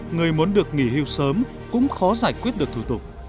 người muốn được nghỉ hưu sớm cũng khó giải quyết được thủ tục